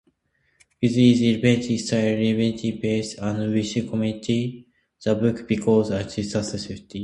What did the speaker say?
With its irreverent style, lively pace, and witty commentary, the book became extremely successful.